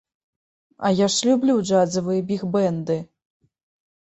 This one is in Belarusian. А я ж люблю джазавыя біг-бэнды!